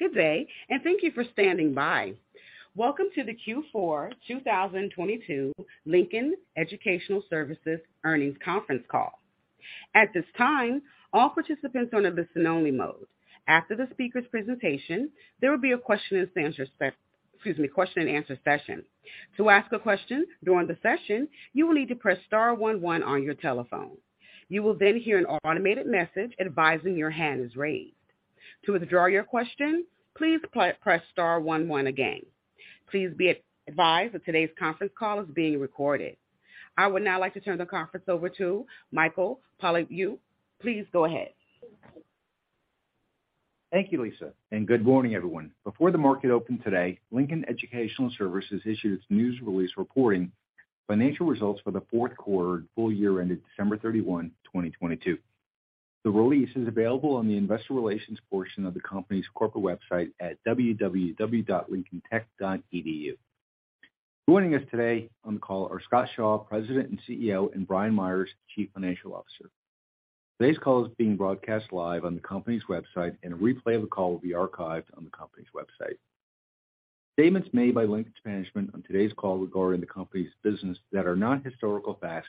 Good day. Thank you for standing by. Welcome to the Q4 2022 Lincoln Educational Services Earnings Conference Call. At this time, all participants on a listen only mode. After the speaker's presentation, there will be a question and answer session. To ask a question during the session, you will need to press star one one on your telephone. You will hear an automated message advising your hand is raised. To withdraw your question, please press star one one again. Please be advised that today's conference call is being recorded. I would now like to turn the conference over to Michael Polyviou. Please go ahead. Thank you, Lisa, and good morning, everyone. Before the market opened today, Lincoln Educational Services issued its news release reporting financial results for the fourth quarter and full year ended December 31, 2022. The release is available on the investor relations portion of the company's corporate website at www.lincolntech.edu. Joining us today on the call are Scott Shaw, President and CEO, and Brian Meyers, Chief Financial Officer. Today's call is being broadcast live on the company's website, and a replay of the call will be archived on the company's website. Statements made by Lincoln's management on today's call regarding the company's business that are not historical facts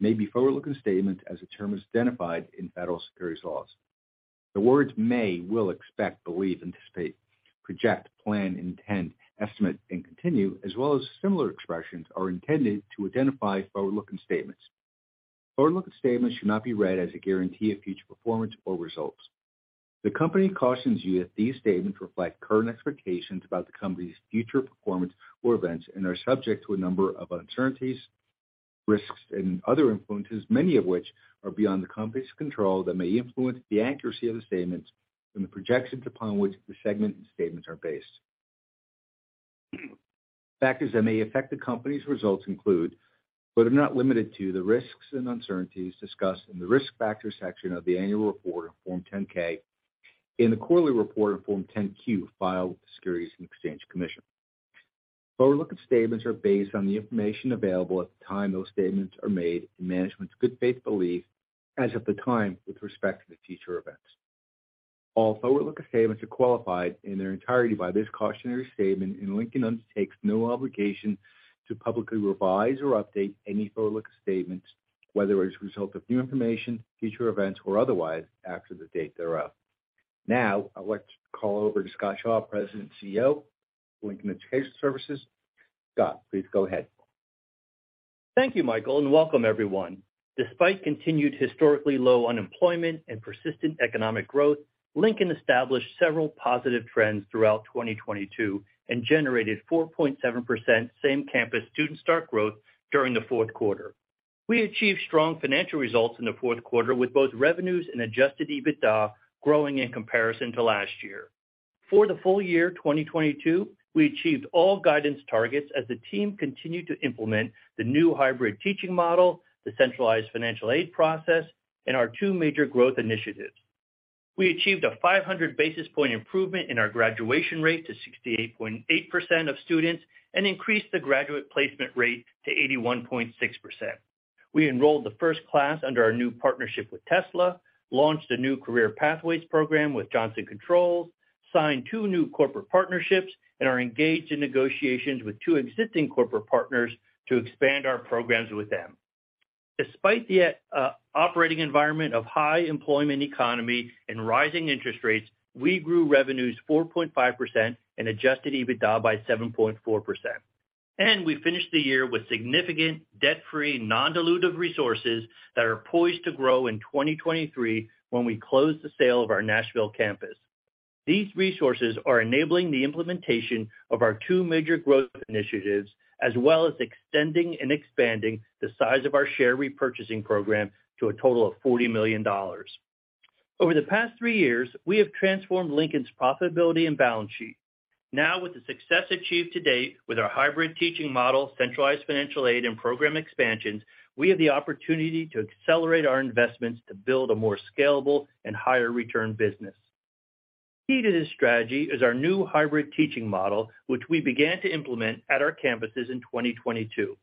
may be forward-looking statements as the term is identified in federal securities laws. The words may, will, expect, believe, anticipate, project, plan, intend, estimate, and continue, as well as similar expressions, are intended to identify forward-looking statements. Forward-looking statements should not be read as a guarantee of future performance or results. The company cautions you that these statements reflect current expectations about the company's future performance or events and are subject to a number of uncertainties, risks, and other influences, many of which are beyond the company's control, that may influence the accuracy of the statements and the projections upon which the segment and statements are based. Factors that may affect the company's results include, but are not limited to, the risks and uncertainties discussed in the Risk Factors section of the annual report on Form 10-K and the quarterly report on Form 10-Q filed with the Securities and Exchange Commission. Forward-looking statements are based on the information available at the time those statements are made in management's good faith belief as of the time with respect to the future events. All forward-looking statements are qualified in their entirety by this cautionary statement. Lincoln undertakes no obligation to publicly revise or update any forward-looking statements, whether as a result of new information, future events, or otherwise after the date thereof. Now I'd like to call over to Scott Shaw, President and CEO, Lincoln Educational Services. Scott, please go ahead. Thank you, Michael. Welcome everyone. Despite continued historically low unemployment and persistent economic growth, Lincoln established several positive trends throughout 2022 and generated 4.7% same-campus student start growth during the fourth quarter. We achieved strong financial results in the fourth quarter, with both revenues and adjusted EBITDA growing in comparison to last year. For the full year 2022, we achieved all guidance targets as the team continued to implement the new hybrid teaching model, the centralized financial aid process, and our two major growth initiatives. We achieved a 500 basis point improvement in our graduation rate to 68.8% of students and increased the graduate placement rate to 81.6%. We enrolled the first class under our new partnership with Tesla, launched a new career pathways program with Johnson Controls, signed two new corporate partnerships, and are engaged in negotiations with two existing corporate partners to expand our programs with them. Despite the operating environment of high employment economy and rising interest rates, we grew revenues 4.5% and adjusted EBITDA by 7.4%. We finished the year with significant debt-free, non-dilutive resources that are poised to grow in 2023 when we close the sale of our Nashville campus. These resources are enabling the implementation of our two major growth initiatives, as well as extending and expanding the size of our share repurchasing program to a total of $40 million. Over the past three years, we have transformed Lincoln's profitability and balance sheet. With the success achieved to date with our hybrid teaching model, centralized financial aid, and program expansions, we have the opportunity to accelerate our investments to build a more scalable and higher return business. Key to this strategy is our new hybrid teaching model, which we began to implement at our campuses in 2022.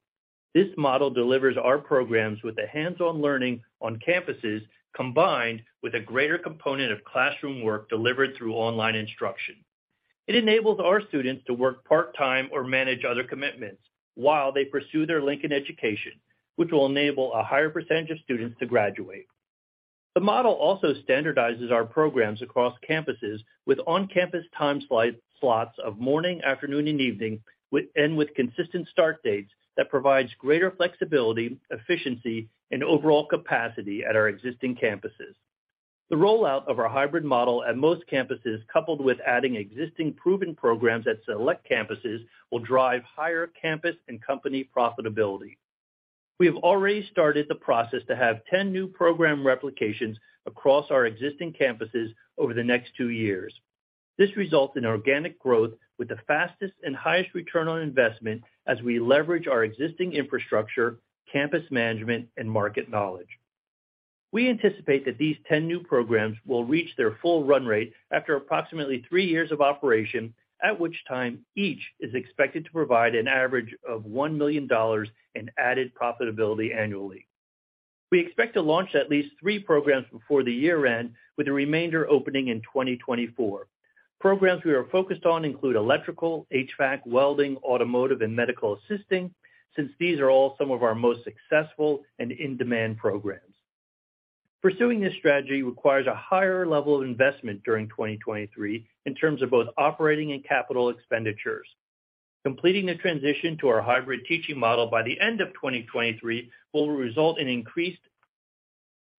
This model delivers our programs with a hands-on learning on campuses, combined with a greater component of classroom work delivered through online instruction. It enables our students to work part-time or manage other commitments while they pursue their Lincoln education, which will enable a higher percentage of students to graduate. The model also standardizes our programs across campuses with on-campus time slots of morning, afternoon, and evening and with consistent start dates that provides greater flexibility, efficiency, and overall capacity at our existing campuses. The rollout of our hybrid model at most campuses, coupled with adding existing proven programs at select campuses, will drive higher campus and company profitability. We have already started the process to have 10 new program replications across our existing campuses over the next two years. This results in organic growth with the fastest and highest ROI as we leverage our existing infrastructure, campus management, and market knowledge. We anticipate that these 10 new programs will reach their full run rate after approximately three years of operation, at which time each is expected to provide an average of $1 million in added profitability annually. We expect to launch at least three programs before the year-end, with the remainder opening in 2024. Programs we are focused on include electrical, HVAC, welding, automotive, and medical assisting, since these are all some of our most successful and in-demand programs. Pursuing this strategy requires a higher level of investment during 2023 in terms of both operating and capital expenditures. Completing the transition to our hybrid teaching model by the end of 2023 will result in increased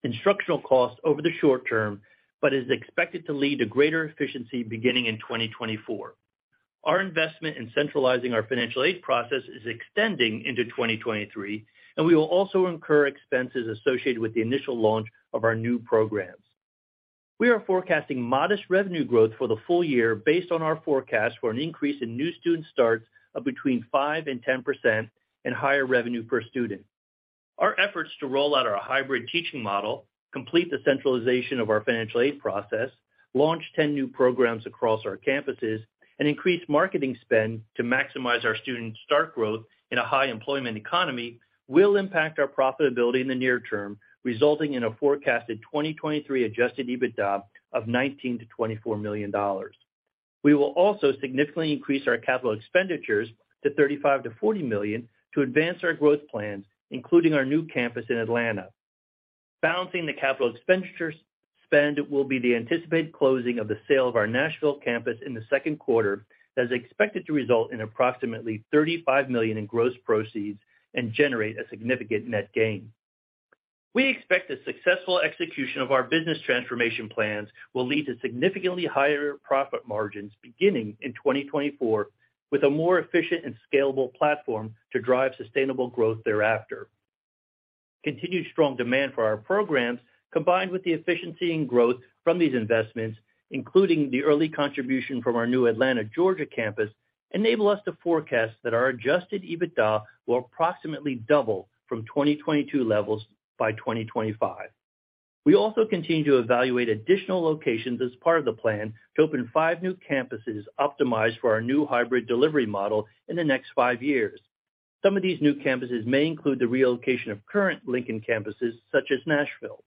instructional costs over the short term, but is expected to lead to greater efficiency beginning in 2024. Our investment in centralizing our financial aid process is extending into 2023. We will also incur expenses associated with the initial launch of our new programs. We are forecasting modest revenue growth for the full year based on our forecast for an increase in new student starts of between 5% and 10% and higher revenue per student. Our efforts to roll out our hybrid teaching model, complete the centralization of our financial aid process, launch 10 new programs across our campuses and increase marketing spend to maximize our student start growth in a high employment economy will impact our profitability in the near term, resulting in a forecasted 2023 adjusted EBITDA of $19 million-$24 million. We will also significantly increase our capital expenditures to $35 million-$40 million to advance our growth plans, including our new campus in Atlanta. Balancing the capital expenditures spend will be the anticipated closing of the sale of our Nashville campus in the second quarter, that's expected to result in approximately $35 million in gross proceeds and generate a significant net gain. We expect the successful execution of our business transformation plans will lead to significantly higher profit margins beginning in 2024, with a more efficient and scalable platform to drive sustainable growth thereafter. Continued strong demand for our programs, combined with the efficiency and growth from these investments, including the early contribution from our new Atlanta, Georgia campus, enable us to forecast that our adjusted EBITDA will approximately double from 2022 levels by 2025. We also continue to evaluate additional locations as part of the plan to open 5 new campuses optimized for our new hybrid delivery model in the next 5 years. Some of these new campuses may include the relocation of current Lincoln campuses such as Nashville.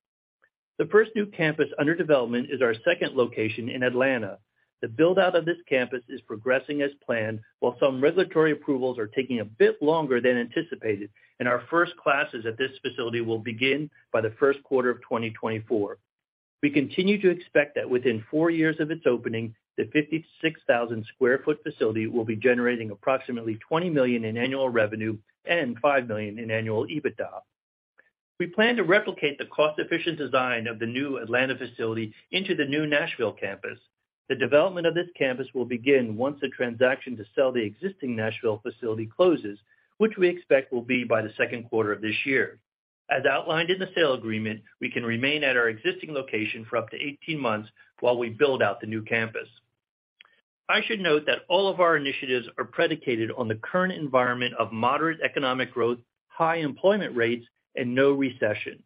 The first new campus under development is our second location in Atlanta. The build-out of this campus is progressing as planned, while some regulatory approvals are taking a bit longer than anticipated. Our first classes at this facility will begin by the first quarter of 2024. We continue to expect that within four years of its opening, the 56,000 sq ft facility will be generating approximately $20 million in annual revenue and $5 million in annual EBITDA. We plan to replicate the cost-efficient design of the new Atlanta facility into the new Nashville campus. The development of this campus will begin once the transaction to sell the existing Nashville facility closes, which we expect will be by the second quarter of this year. As outlined in the sale agreement, we can remain at our existing location for up to 18 months while we build out the new campus. I should note that all of our initiatives are predicated on the current environment of moderate economic growth, high employment rates, and no recession.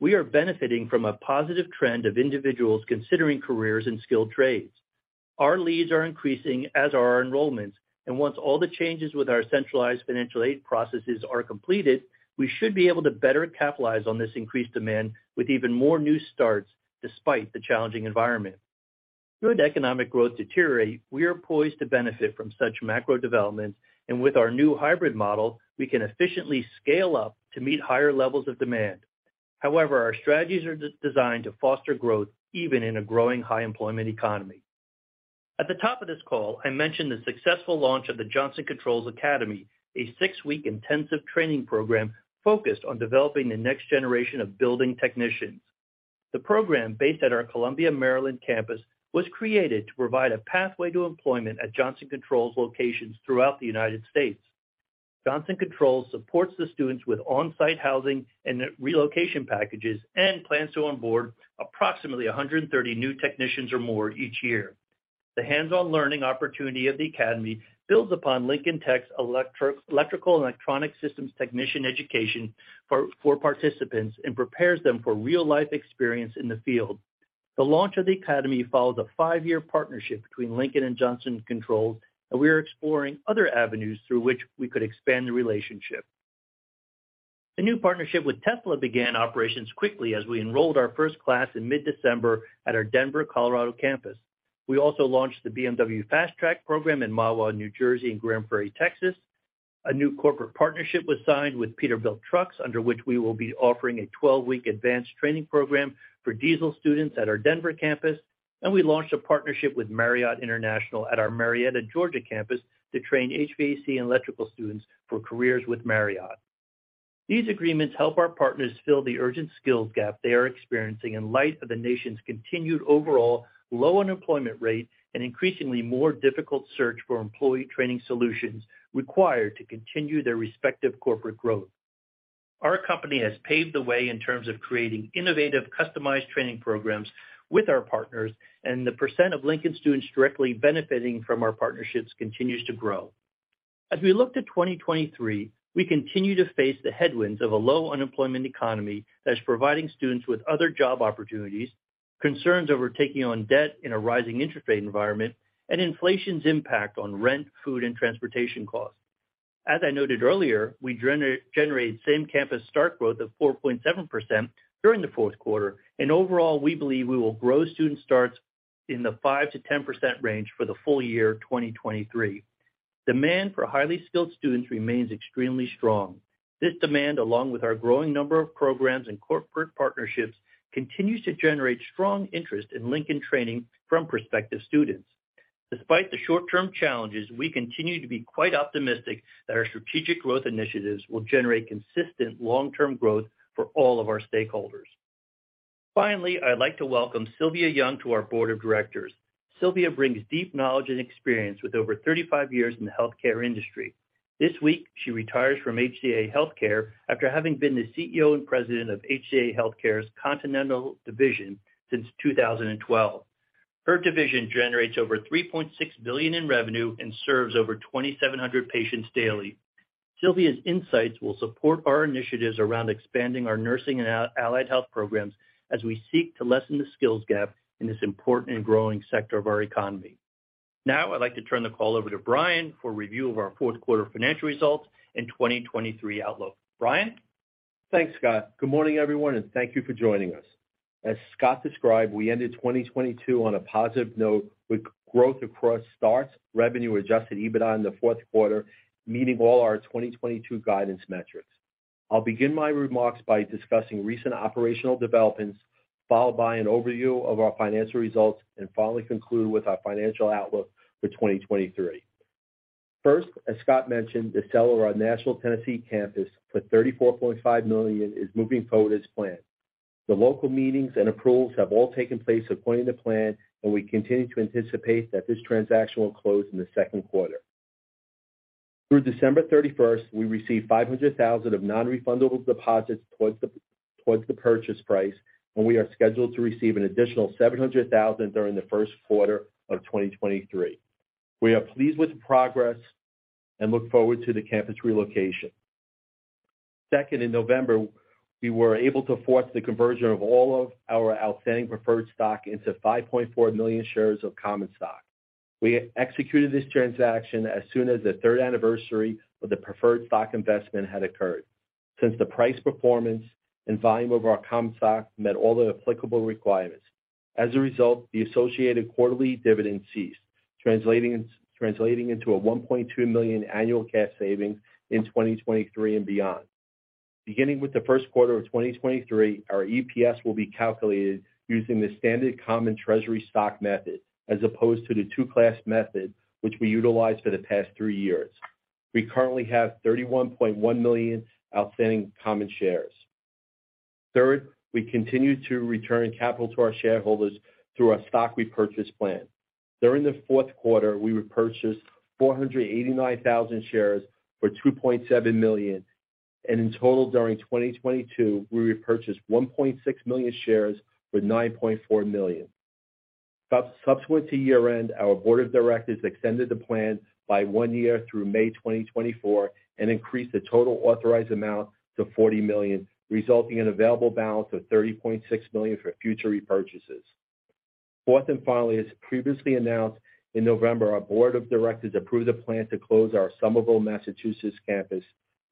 We are benefiting from a positive trend of individuals considering careers in skilled trades. Our leads are increasing, as are our enrollments. Once all the changes with our centralized financial aid processes are completed, we should be able to better capitalize on this increased demand with even more new starts despite the challenging environment. Should economic growth deteriorate, we are poised to benefit from such macro developments. With our new hybrid model, we can efficiently scale up to meet higher levels of demand. Our strategies are de-designed to foster growth even in a growing high-employment economy. At the top of this call, I mentioned the successful launch of the Johnson Controls Academy, a six-week intensive training program focused on developing the next generation of building technicians. The program, based at our Columbia, Maryland campus, was created to provide a pathway to employment at Johnson Controls locations throughout the United States. Johnson Controls supports the students with on-site housing and relocation packages and plans to onboard approximately 130 new technicians or more each year. The hands-on learning opportunity of the academy builds upon Lincoln Tech's electro-electrical and electronic systems technician education for participants and prepares them for real-life experience in the field. The launch of the academy follows a five-year partnership between Lincoln and Johnson Controls. We are exploring other avenues through which we could expand the relationship. The new partnership with Tesla began operations quickly as we enrolled our first class in mid-December at our Denver, Colorado campus. We also launched the BMW FastTrack program in Mahwah, New Jersey, and Grand Prairie, Texas. A new corporate partnership was signed with Peterbilt Trucks, under which we will be offering a 12-week advanced training program for diesel students at our Denver campus. We launched a partnership with Marriott International at our Marietta, Georgia campus to train HVAC and electrical students for careers with Marriott. These agreements help our partners fill the urgent skills gap they are experiencing in light of the nation's continued overall low unemployment rate and increasingly more difficult search for employee training solutions required to continue their respective corporate growth. Our company has paved the way in terms of creating innovative, customized training programs with our partners. The percent of Lincoln students directly benefiting from our partnerships continues to grow. As we look to 2023, we continue to face the headwinds of a low unemployment economy that's providing students with other job opportunities. Concerns over taking on debt in a rising interest rate environment and inflation's impact on rent, food, and transportation costs. As I noted earlier, we generate same-campus start growth of 4.7% during the fourth quarter. Overall, we believe we will grow student starts in the 5%-10% range for the full year 2023. Demand for highly skilled students remains extremely strong. This demand, along with our growing number of programs and corporate partnerships, continues to generate strong interest in Lincoln training from prospective students. Despite the short-term challenges, we continue to be quite optimistic that our strategic growth initiatives will generate consistent long-term growth for all of our stakeholders. Finally, I'd like to welcome Sylvia Young to our board of directors. Sylvia brings deep knowledge and experience with over 35 years in the healthcare industry. This week, she retires from HCA Healthcare after having been the CEO and president of HCA Healthcare's Continental Division since 2012. Her division generates over $3.6 billion in revenue and serves over 2,700 patients daily. Sylvia's insights will support our initiatives around expanding our nursing and allied health programs as we seek to lessen the skills gap in this important and growing sector of our economy. I'd like to turn the call over to Brian for a review of our fourth quarter financial results and 2023 outlook. Brian? Thanks, Scott. Good morning, everyone. Thank you for joining us. As Scott described, we ended 2022 on a positive note with growth across starts, revenue, adjusted EBITDA in the fourth quarter, meeting all our 2022 guidance metrics. I'll begin my remarks by discussing recent operational developments, followed by an overview of our financial results, and finally conclude with our financial outlook for 2023. First, as Scott mentioned, the sale of our Nashville, TN campus for $34.5 million is moving forward as planned. The local meetings and approvals have all taken place according to plan. We continue to anticipate that this transaction will close in the second quarter. Through December 31st, we received $500,000 of non-refundable deposits towards the purchase price. We are scheduled to receive an additional $700,000 during the first quarter of 2023. We are pleased with the progress and look forward to the campus relocation. Second, in November, we were able to force the conversion of all of our outstanding preferred stock into 5.4 million shares of common stock. We executed this transaction as soon as the third anniversary of the preferred stock investment had occurred, since the price, performance, and volume of our common stock met all the applicable requirements. As a result, the associated quarterly dividend ceased, translating into a $1.2 million annual cash savings in 2023 and beyond. Beginning with the first quarter of 2023, our EPS will be calculated using the standard common treasury stock method, as opposed to the two-class method, which we utilized for the past three years. We currently have 31.1 million outstanding common shares. Third, we continue to return capital to our shareholders through our stock repurchase plan. During the fourth quarter, we repurchased 489,000 shares for $2.7 million, and in total, during 2022, we repurchased 1.6 million shares for $9.4 million. Subsequent to year-end, our board of directors extended the plan by one year through May 2024 and increased the total authorized amount to $40 million, resulting in available balance of $30.6 million for future repurchases. Fourth, and finally, as previously announced, in November, our board of directors approved a plan to close our Somerville, Massachusetts campus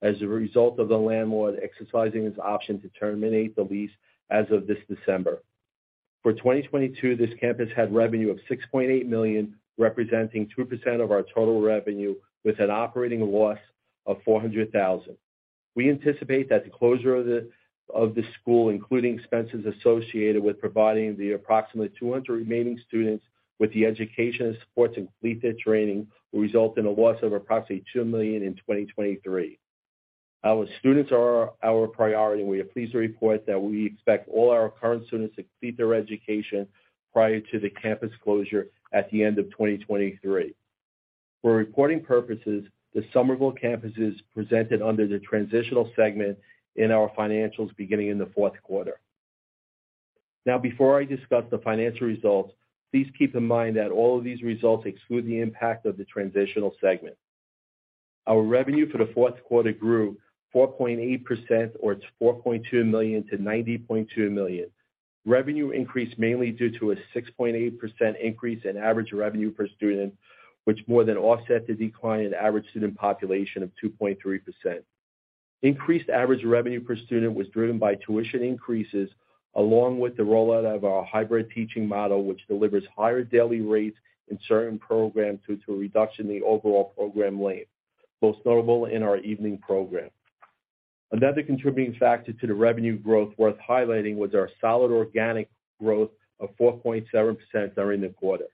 as a result of the landlord exercising his option to terminate the lease as of this December. For 2022, this campus had revenue of $6.8 million, representing 2% of our total revenue with an operating loss of $400,000. We anticipate that the closure of the school, including expenses associated with providing the approximately 200 remaining students with the education and supports to complete their training, will result in a loss of approximately $2 million in 2023. Our students are our priority, we are pleased to report that we expect all our current students to complete their education prior to the campus closure at the end of 2023. For reporting purposes, the Somerville campus is presented under the transitional segment in our financials beginning in the fourth quarter. Before I discuss the financial results, please keep in mind that all of these results exclude the impact of the transitional segment. Our revenue for the fourth quarter grew 4.8% or it's $4.2 million to $90.2 million. Revenue increased mainly due to a 6.8% increase in average revenue per student, which more than offset the decline in average student population of 2.3%. Increased average revenue per student was driven by tuition increases along with the rollout of our hybrid teaching model, which delivers higher daily rates in certain programs due to a reduction in the overall program length, most notable in our evening program. Another contributing factor to the revenue growth worth highlighting was our solid organic growth of 4.7% during the quarter.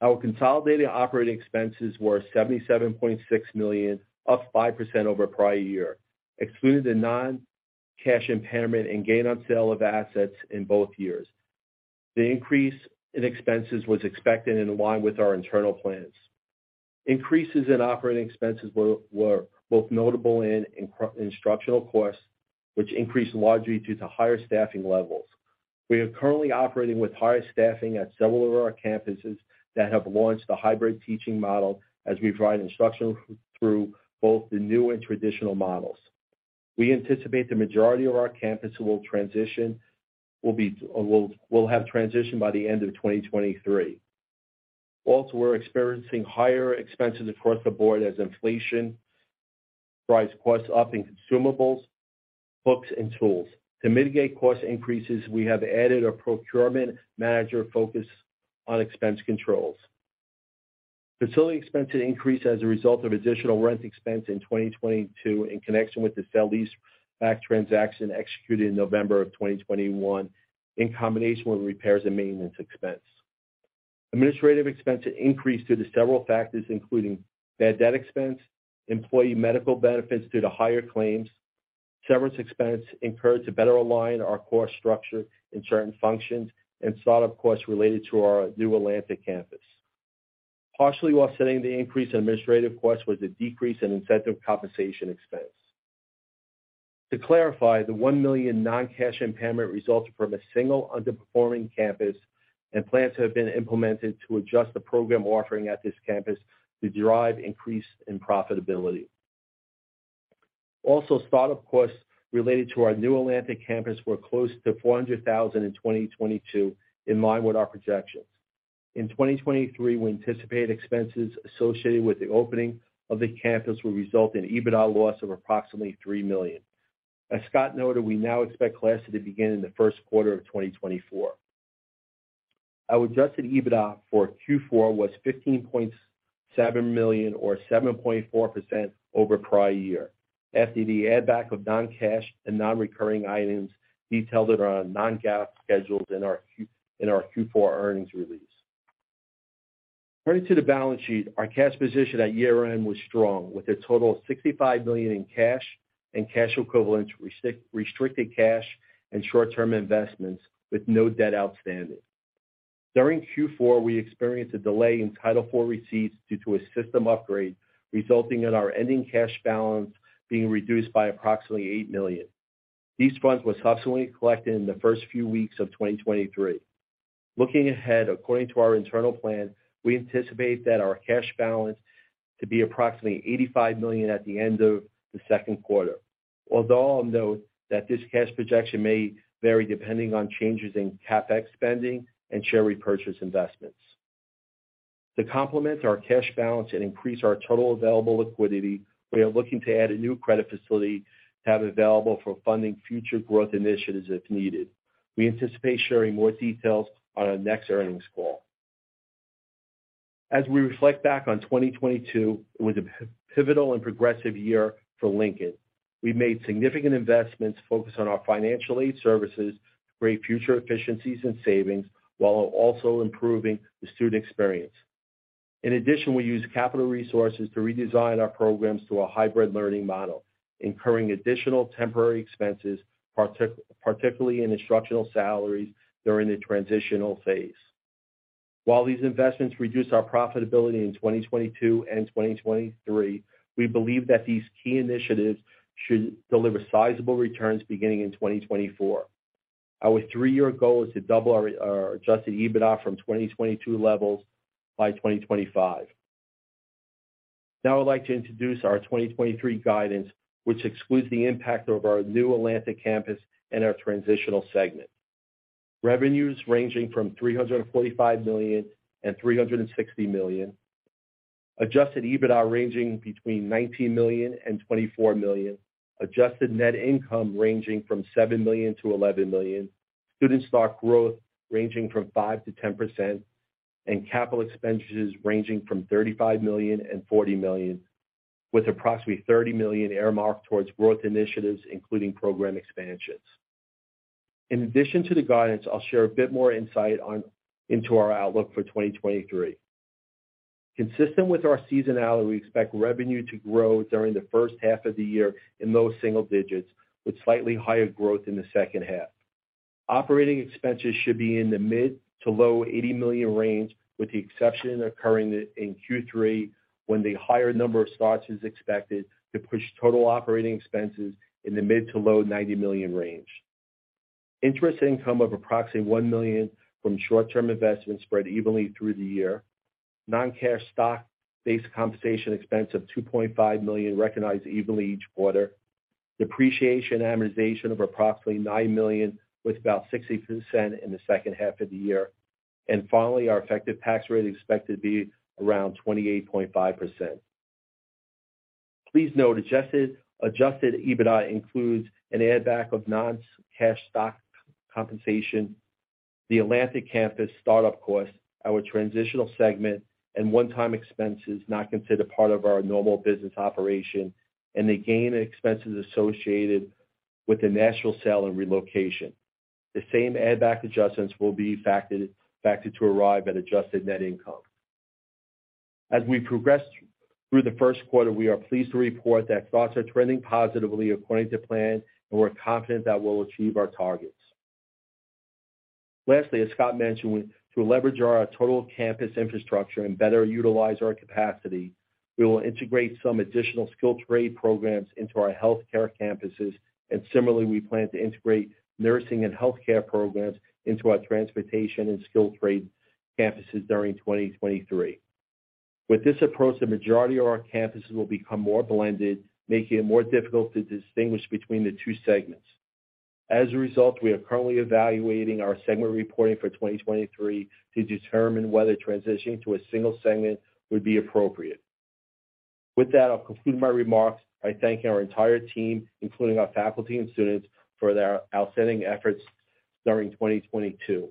Our consolidated operating expenses were $77.6 million, up 5% over prior year, excluding the non-cash impairment and gain on sale of assets in both years. The increase in expenses was expected in line with our internal plans. Increases in operating expenses were both notable in instructional costs, which increased largely due to higher staffing levels. We are currently operating with higher staffing at several of our campuses that have launched a hybrid teaching model as we provide instruction through both the new and traditional models. We anticipate the majority of our campus will have transitioned by the end of 2023. Also, we're experiencing higher expenses across the board as inflation drives costs up in consumables, books, and tools. To mitigate cost increases, we have added a procurement manager focused on expense controls. Facility expenses increased as a result of additional rent expense in 2022 in connection with the sell-leaseback transaction executed in November of 2021, in combination with repairs and maintenance expense. Administrative expenses increased due to several factors, including bad debt expense, employee medical benefits due to higher claims, severance expense incurred to better align our cost structure in certain functions, and startup costs related to our new Atlanta campus. Partially offsetting the increase in administrative costs was a decrease in incentive compensation expense. To clarify, the $1 million non-cash impairment resulted from a single underperforming campus, and plans have been implemented to adjust the program offering at this campus to drive increase in profitability. Startup costs related to our new Atlanta campus were close to $400,000 in 2022, in line with our projections. In 2023, we anticipate expenses associated with the opening of the campus will result in EBITDA loss of approximately $3 million. As Scott noted, we now expect classes to begin in the first quarter of 2024. Our adjusted EBITDA for Q4 was $15.7 million or 7.4% over prior year. After the add back of non-cash and non-recurring items detailed in our non-GAAP schedules in our Q4 earnings release. Turning to the balance sheet, our cash position at year-end was strong, with a total of $65 million in cash and cash equivalents, restricted cash and short-term investments, with no debt outstanding. During Q4, we experienced a delay in Title IV receipts due to a system upgrade, resulting in our ending cash balance being reduced by approximately $8 million. These funds was hustling collected in the first few weeks of 2023. Looking ahead, according to our internal plan, we anticipate that our cash balance to be approximately $85 million at the end of the second quarter. I'll note that this cash projection may vary depending on changes in CapEx spending and share repurchase investments. To complement our cash balance and increase our total available liquidity, we are looking to add a new credit facility to have available for funding future growth initiatives if needed. We anticipate sharing more details on our next earnings call. We reflect back on 2022, it was a pivotal and progressive year for Lincoln. We made significant investments focused on our financial aid services to create future efficiencies and savings, while also improving the student experience. We used capital resources to redesign our programs to a hybrid learning model, incurring additional temporary expenses, particularly in instructional salaries during the transitional phase. These investments reduced our profitability in 2022 and 2023, we believe that these key initiatives should deliver sizable returns beginning in 2024. Our three-year goal is to double our adjusted EBITDA from 2022 levels by 2025. Now I'd like to introduce our 2023 guidance, which excludes the impact of our new Atlanta campus and our transitional segment. Revenues ranging from $345 million-$360 million. Adjusted EBITDA ranging between $19 million and $24 million. Adjusted net income ranging from $7 million-$11 million. Student stock growth ranging from 5%-10%. Capital expenditures ranging from $35 million-$40 million, with approximately $30 million earmarked towards growth initiatives, including program expansions. In addition to the guidance, I'll share a bit more insight into our outlook for 2023. Consistent with our seasonality, we expect revenue to grow during the first half of the year in low single digits, with slightly higher growth in the second half. Operating expenses should be in the mid to low $80 million range, with the exception occurring in Q3, when the higher number of starts is expected to push total operating expenses in the mid to low $90 million range. Interest income of approximately $1 million from short-term investments spread evenly through the year. Non-cash stock-based compensation expense of $2.5 million recognized evenly each quarter. Depreciation and amortization of approximately $9 million, with about $0.60 in the second half of the year. Finally, our effective tax rate expected to be around 28.5%. Please note adjusted EBITDA includes an add back of non-cash stock compensation, the Atlanta campus startup cost, our transitional segment, and one-time expenses not considered part of our normal business operation, and the gain and expenses associated with the Nashville sale and relocation. The same add back adjustments will be factored to arrive at adjusted net income. As we progress through the first quarter, we are pleased to report that costs are trending positively according to plan, and we're confident that we'll achieve our targets. Lastly, as Scott mentioned, to leverage our total campus infrastructure and better utilize our capacity, we will integrate some additional skilled trade programs into our healthcare campuses, and similarly, we plan to integrate nursing and healthcare programs into our transportation and skilled trade campuses during 2023. With this approach, the majority of our campuses will become more blended, making it more difficult to distinguish between the two segments. As a result, we are currently evaluating our segment reporting for 2023 to determine whether transitioning to a single segment would be appropriate. With that, I'll conclude my remarks by thanking our entire team, including our faculty and students, for their outstanding efforts during 2022.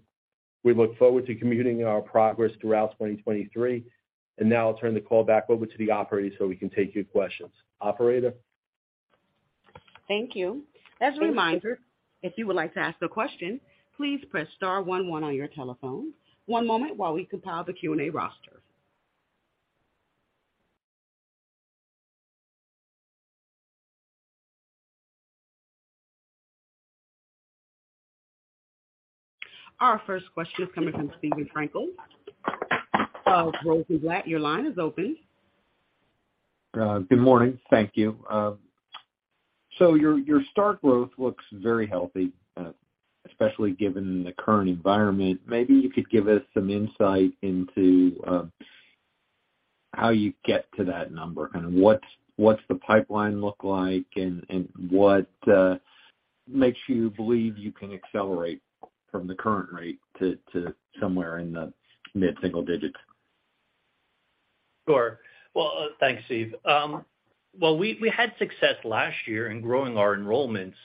We look forward to communicating our progress throughout 2023. Now I'll turn the call back over to the operator so we can take your questions. Operator? Thank you. As a reminder, if you would like to ask a question, please press star one one on your telephone. One moment while we compile the Q&A roster. Our first question is coming from Steven Frankel of Rosenblatt. Your line is open. Good morning. Thank you. Your start growth looks very healthy, especially given the current environment. Maybe you could give us some insight into how you get to that number and what's the pipeline look like, and what makes you believe you can accelerate from the current rate to somewhere in the mid-single digits? Sure. Well, thanks, Steve. Well, we had success last year in growing our enrollments.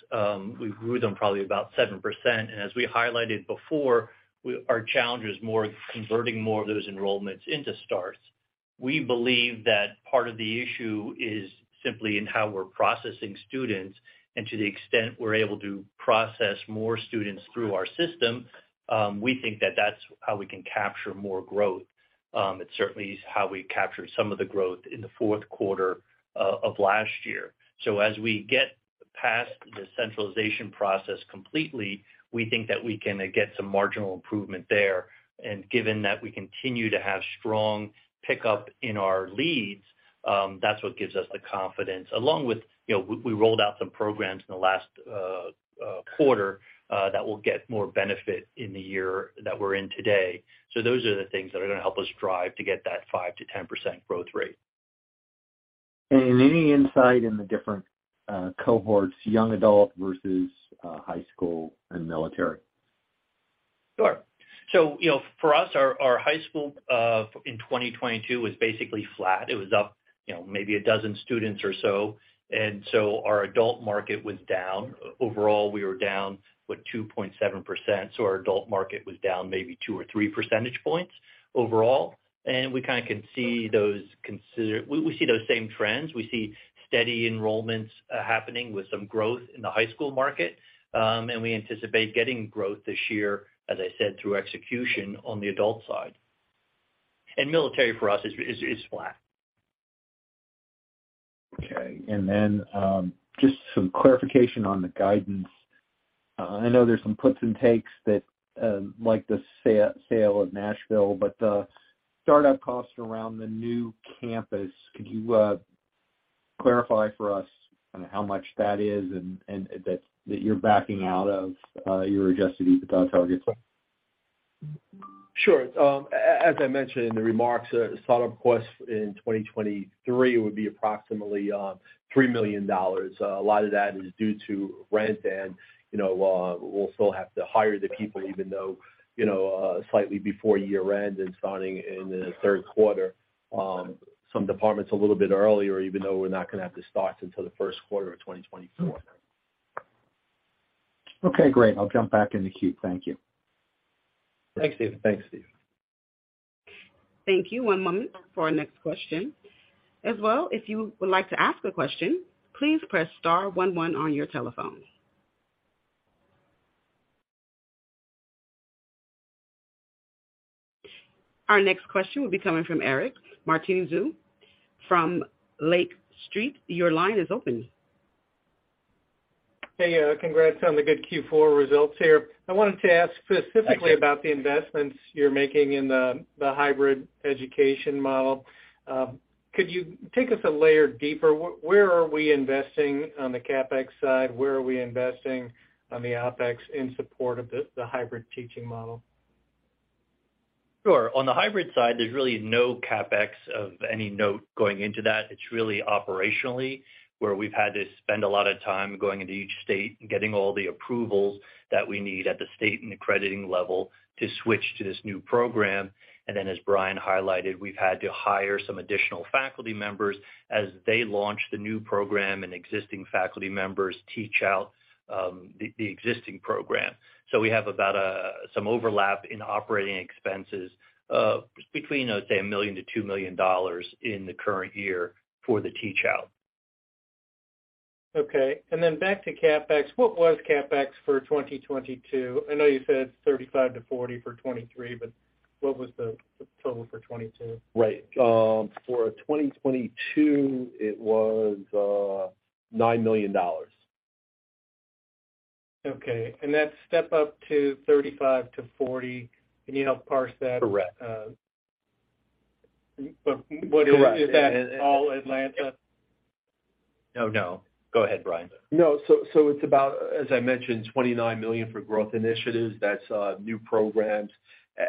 We grew them probably about 7%. As we highlighted before, our challenge was more converting more of those enrollments into starts. We believe that part of the issue is simply in how we're processing students, and to the extent we're able to process more students through our system, we think that that's how we can capture more growth. It certainly is how we captured some of the growth in the fourth quarter of last year. As we get past the centralization process completely, we think that we can get some marginal improvement there. Given that we continue to have strong pickup in our leads, that's what gives us the confidence. Along with, you know, we rolled out some programs in the last quarter that will get more benefit in the year that we're in today. Those are the things that are gonna help us drive to get that 5% to 10% growth rate. Any insight in the different cohorts, young adult versus high school and military? Sure. You know, for us, our high school in 2022 was basically flat. It was up, you know, maybe a dozen students or so. Our adult market was down. Overall, we were down, what? 2.7%. Our adult market was down maybe 2 or 3 percentage points overall. We kinda can see those. We see those same trends. We see steady enrollments happening with some growth in the high school market. We anticipate getting growth this year, as I said, through execution on the adult side. Military for us is flat. Okay. Just some clarification on the guidance. I know there's some puts and takes that, like the sale of Nashville, but the startup costs around the new campus, could you clarify for us kinda how much that is and that you're backing out of your adjusted EBITDA targets? Sure. As I mentioned in the remarks, startup costs in 2023 would be approximately $3 million. A lot of that is due to rent and, you know, we'll still have to hire the people even though, you know, slightly before year-end and starting in the third quarter, some departments a little bit earlier, even though we're not gonna have to start until the first quarter of 2024. Okay, great. I'll jump back in the queue. Thank you. Thanks, Steve. Thanks, Steve. Thank you. One moment for our next question. As well, if you would like to ask a question, please press star one one on your telephone. Our next question will be coming from Eric Martinuzzi from Lake Street. Your line is open. Hey, congrats on the good Q4 results here. I wanted to ask specifically. Thank you. about the investments you're making in the hybrid education model. Could you take us a layer deeper? Where are we investing on the CapEx side? Where are we investing on the OpEx in support of the hybrid teaching model? Sure. On the hybrid side, there's really no CapEx of any note going into that. It's really operationally, where we've had to spend a lot of time going into each state and getting all the approvals that we need at the state and accrediting level to switch to this new program. As Brian highlighted, we've had to hire some additional faculty members as they launch the new program and existing faculty members teach out the existing program. We have about some overlap in operating expenses between, let's say, $1 million-$2 million in the current year for the teach out. Okay. Then back to CapEx. What was CapEx for 2022? I know you said it's 35-40 for 2023, what was the total for 2022? Right. For 2022, it was $9 million. Okay. That step up to $35-$40, can you help parse that? Correct. Uh, but what- You're right. Is that all Atlanta? No, no. Go ahead, Brian. No. it's about, as I mentioned, $29 million for growth initiatives. That's, new programs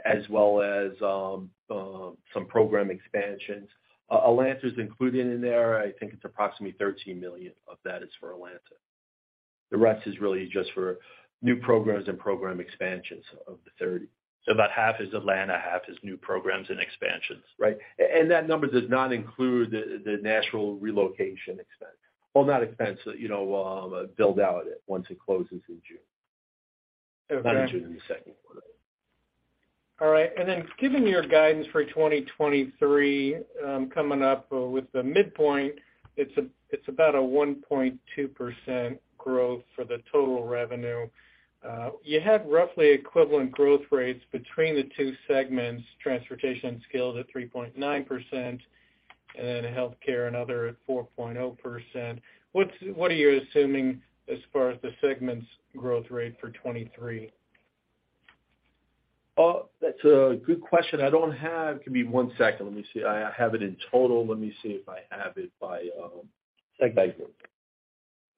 as well as some program expansions. Atlanta is included in there. I think it's approximately $13 million of that is for Atlanta. The rest is really just for new programs and program expansions of the 30. About half is Atlanta, half is new programs and expansions. Right. That number does not include the natural relocation expense. Well, not expense, you know, build out once it closes in June. Okay. Not in June, in the second quarter. All right. Then given your guidance for 2023, coming up with the midpoint, it's about a 1.2% growth for the total revenue. You have roughly equivalent growth rates between the two segments, transportation and skills at 3.9% and then healthcare and other at 4.0%. What are you assuming as far as the segment's growth rate for 2023? That's a good question. Give me one second. Let me see. I have it in total. Let me see if I have it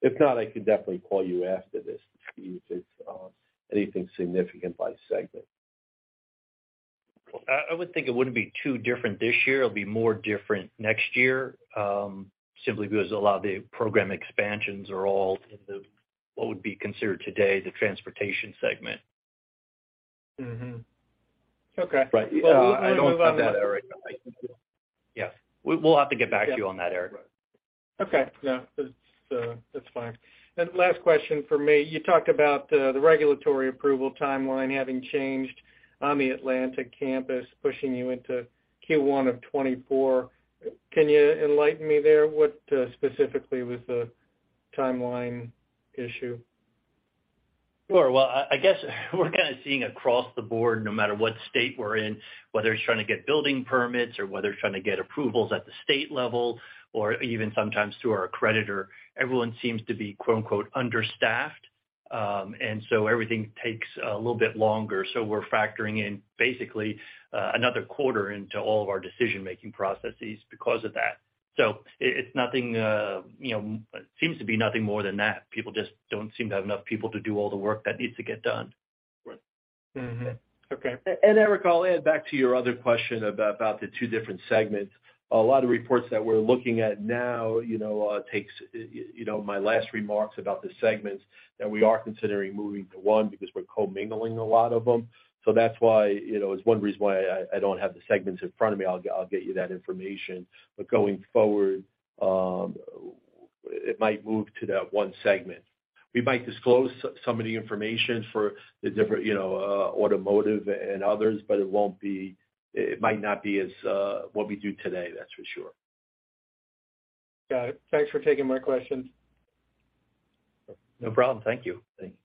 by segment. If not, I can definitely call you after this to see if it's anything significant by segment. I would think it wouldn't be too different this year. It'll be more different next year, simply because a lot of the program expansions are all in the what would be considered today, the transportation segment. Mm-hmm. Okay. Right. Yeah. I don't have that right now. Yes. We'll have to get back to you on that, Eric. Okay. Yeah. That's, that's fine. Last question for me. You talked about the regulatory approval timeline having changed on the Atlanta campus, pushing you into Q1 of 2024. Can you enlighten me there? What specifically was the timeline issue? Sure. Well, I guess we're kind of seeing across the board, no matter what state we're in, whether it's trying to get building permits or whether it's trying to get approvals at the state level or even sometimes through our accreditor, everyone seems to be quote-unquote, understaffed. Everything takes a little bit longer. We're factoring in basically, another quarter into all of our decision-making processes because of that. It's nothing, you know, seems to be nothing more than that. People just don't seem to have enough people to do all the work that needs to get done. Right. Okay. Eric, I'll add back to your other question about the two different segments. A lot of reports that we're looking at now, you know, takes, you know, my last remarks about the segments that we are considering moving to one because we're co-mingling a lot of them. That's why, you know, it's one reason why I don't have the segments in front of me. I'll get you that information. Going forward, it might move to that one segment. We might disclose some of the information for the different, you know, automotive and others, but it might not be as what we do today, that's for sure. Got it. Thanks for taking my questions. No problem. Thank you. Thank you.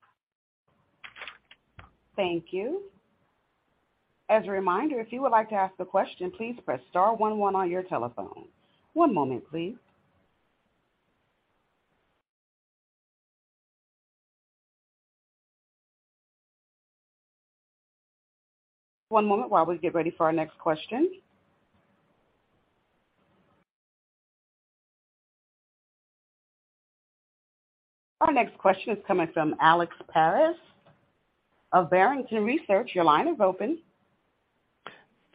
Thank you. As a reminder, if you would like to ask a question, please press star one one on your telephone. One moment, please. One moment while we get ready for our next question. Our next question is coming from Alex Paris of Barrington Research. Your line is open.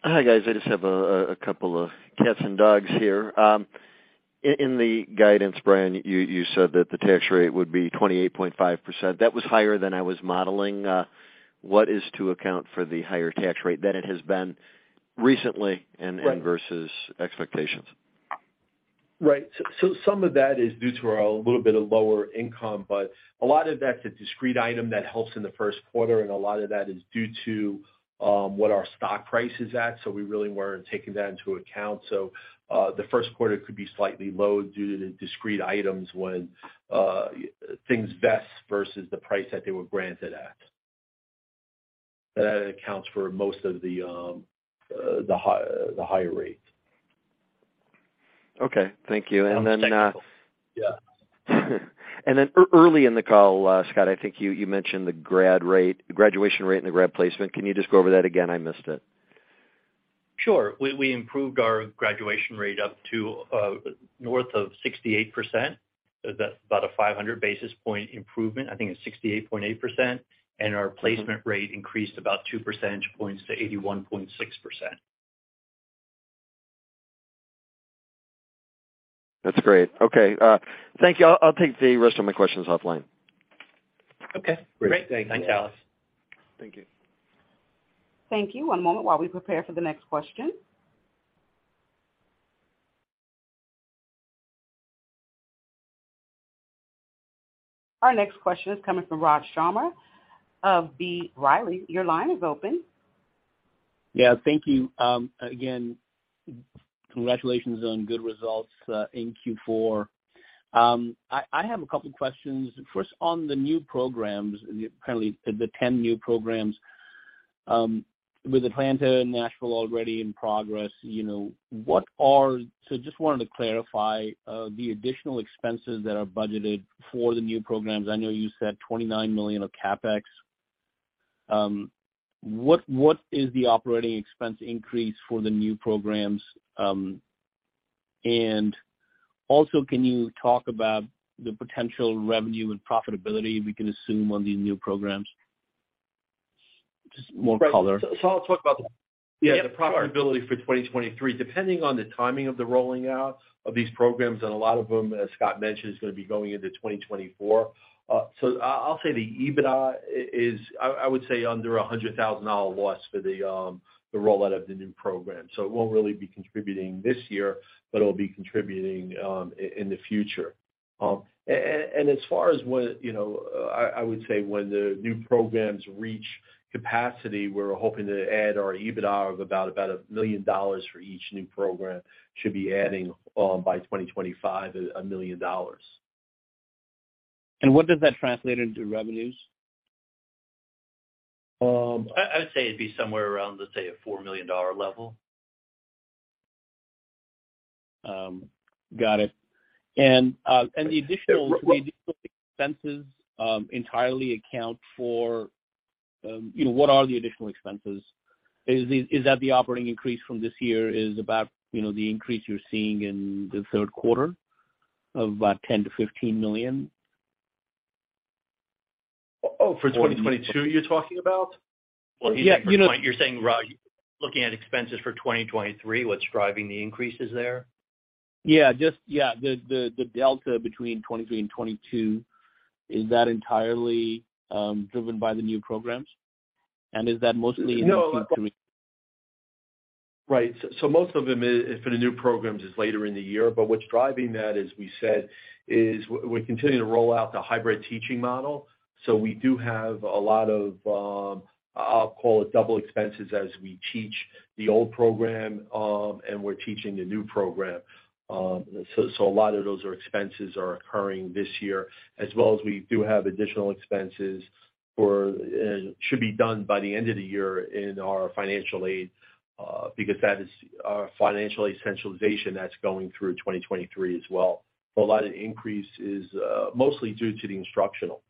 Hi, guys. I just have a couple of cats and dogs here. In the guidance, Brian, you said that the tax rate would be 28.5%. That was higher than I was modeling. What is to account for the higher tax rate than it has been recently? Right. versus expectations? Right. Some of that is due to our little bit of lower income, but a lot of that's a discrete item that helps in the first quarter, and a lot of that is due to what our stock price is at. We really weren't taking that into account. The first quarter could be slightly low due to the discrete items when things vest versus the price that they were granted at. That accounts for most of the higher rates. Okay. Thank you. Yeah. Early in the call, Scott, I think you mentioned the grad rate, the graduation rate and the grad placement. Can you just go over that again? I missed it. Sure. We improved our graduation rate up to north of 68%. That's about a 500 basis point improvement. I think it's 68.8%. Our placement rate increased about 2 percentage points to 81.6%. That's great. Okay. Thank you. I'll take the rest of my questions offline. Okay. Great. Thanks, Alex. Thank you. Thank you. One moment while we prepare for the next question. Our next question is coming from Raj Sharma of B. Riley. Your line is open. Yeah, thank you. Again, congratulations on good results in Q4. I have a couple questions. First, on the new programs, apparently the 10 new programs, with Atlanta and Nashville already in progress, you know, just wanted to clarify the additional expenses that are budgeted for the new programs. I know you said $29 million of CapEx. What is the operating expense increase for the new programs? Also, can you talk about the potential revenue and profitability we can assume on these new programs? Just more color. Right. I'll talk about the- Yeah, sure. The profitability for 2023, depending on the timing of the rolling out of these programs, and a lot of them, as Scott mentioned, is gonna be going into 2024. So I'll say the EBITDA is, I would say, under a $100,000 loss for the rollout of the new program. So it won't really be contributing this year, but it'll be contributing in the future. As far as what, you know, I would say, when the new programs reach capacity, we're hoping to add our EBITDA of about $1 million for each new program. Should be adding by 2025, a $1 million. What does that translate into revenues? Um- I would say it'd be somewhere around, let's say, a $4 million level. got it. and the additional- There The additional expenses, entirely account for... You know, what are the additional expenses? Is that the operating increase from this year is about, you know, the increase you're seeing in the third quarter of about $10 million-$15 million? Oh, for 2022, you're talking about? Yeah, you know. Well, I think your point, you're saying, Raj, looking at expenses for 2023, what's driving the increases there? Yeah, just, yeah, the delta between 2023 and 2022, is that entirely driven by the new programs? No, of course. In addition to Most of them is for the new programs is later in the year. What's driving that, as we said, is we're continuing to roll out the hybrid teaching model. We do have a lot of, I'll call it double expenses as we teach the old program, and we're teaching the new program. A lot of those are expenses are occurring this year. We do have additional expenses for, should be done by the end of the year in our financial aid, because that is our financial aid centralization that's going through 2023 as well. A lot of the increase is mostly due to the instructional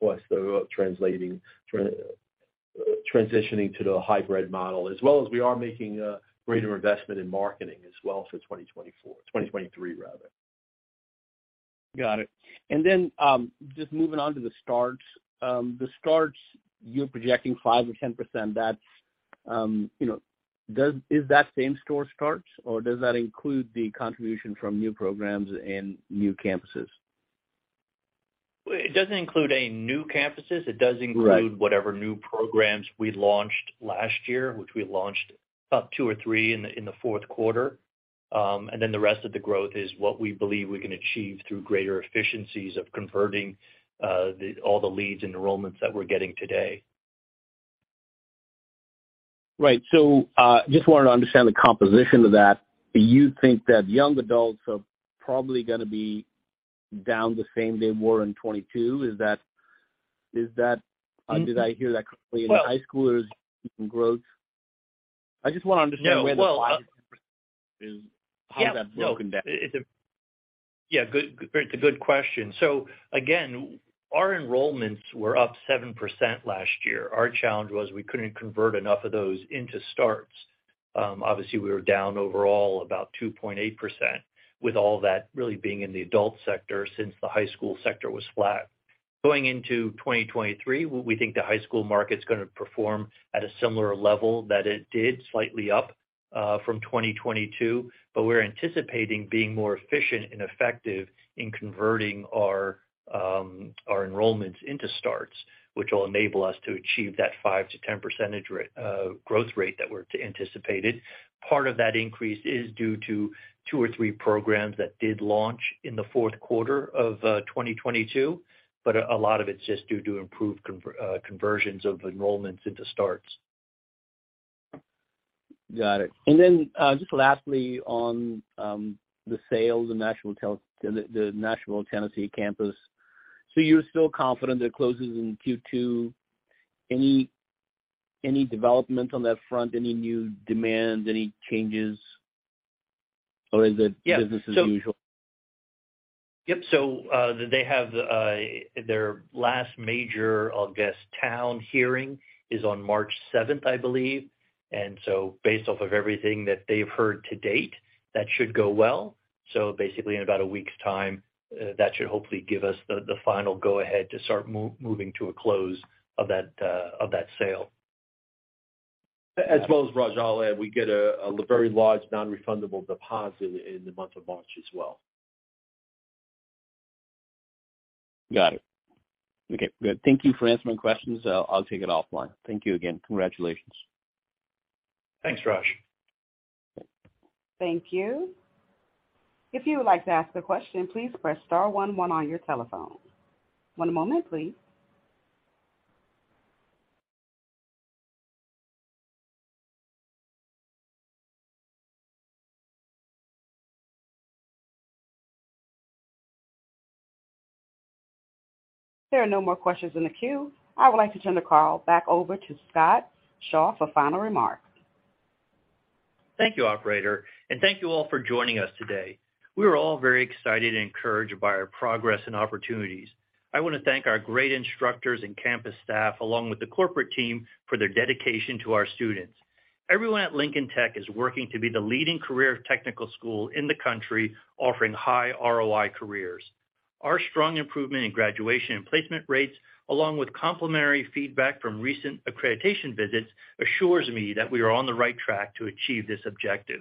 costs of translating, transitioning to the hybrid model. We are making a greater investment in marketing as well, so 2024. 2023, rather. Got it. Just moving on to the starts. The starts, you're projecting 5%-10%. That's, you know, Is that same store starts, or does that include the contribution from new programs and new campuses? It doesn't include any new campuses. Right. It does include whatever new programs we launched last year, which we launched about two or three in the fourth quarter. Then the rest of the growth is what we believe we can achieve through greater efficiencies of converting, the, all the leads and enrollments that we're getting today. Right. Just wanted to understand the composition of that. Do you think that young adults are probably gonna be down the same they were in 2022? Is that, did I hear that correctly? Well- High schoolers growth. I just want to understand where the 5%-10% is. Yeah. How that's broken down. No, it's a good question. Again, our enrollments were up 7% last year. Our challenge was we couldn't convert enough of those into starts. Obviously, we were down overall about 2.8%, with all that really being in the adult sector since the high school sector was flat. Going into 2023, we think the high school market's gonna perform at a similar level that it did, slightly up from 2022. We're anticipating being more efficient and effective in converting our enrollments into starts, which will enable us to achieve that 5%-10% percentage growth rate that we're anticipated. Part of that increase is due to two or three programs that did launch in the fourth quarter of 2022, but a lot of it's just due to improved conversions of enrollments into starts. Got it. just lastly on, the sale, the Nashville, Tennessee campus. you're still confident that closes in Q2. Any development on that front? Any new demands? Any changes? Or is it- Yeah. Business as usual? Yep. They have their last major, I'll guess, town hearing is on March seventh, I believe. Based off of everything that they've heard to date, that should go well. Basically, in about a week's time, that should hopefully give us the final go ahead to start moving to a close of that sale. As well as Raj, I'll add, we get a very large non-refundable deposit in the month of March as well. Got it. Okay, good. Thank You for answering my questions. I'll take it offline. Thank you again. Congratulations. Thanks, Raj. Thank you. If you would like to ask a question, please press star one one on your telephone. One moment, please. There are no more questions in the queue. I would like to turn the call back over to Scott Shaw for final remarks. Thank you, operator. Thank you all for joining us today. We are all very excited and encouraged by our progress and opportunities. I wanna thank our great instructors and campus staff, along with the corporate team, for their dedication to our students. Everyone at Lincoln Tech is working to be the leading career technical school in the country offering high ROI careers. Our strong improvement in graduation and placement rates, along with complimentary feedback from recent accreditation visits, assures me that we are on the right track to achieve this objective.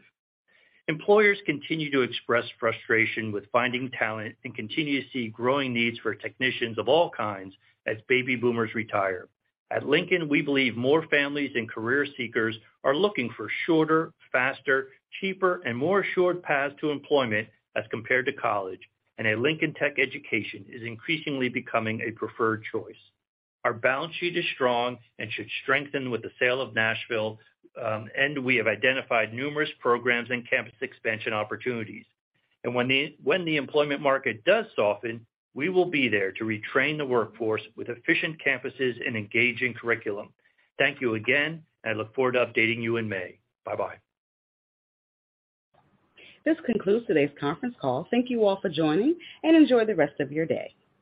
Employers continue to express frustration with finding talent and continue to see growing needs for technicians of all kinds as baby boomers retire. At Lincoln, we believe more families and career seekers are looking for shorter, faster, cheaper, and more assured paths to employment as compared to college. A Lincoln Tech education is increasingly becoming a preferred choice. Our balance sheet is strong and should strengthen with the sale of Nashville. We have identified numerous programs and campus expansion opportunities. When the employment market does soften, we will be there to retrain the workforce with efficient campuses and engaging curriculum. Thank you again. I look forward to updating you in May. Bye-bye. This concludes today's conference call. Thank you all for joining and enjoy the rest of your day.